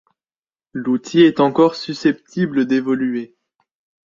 L'outil est encore susceptible d'évoluer.